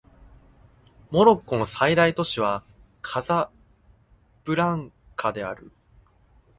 モロッコの最大都市はカサブランカである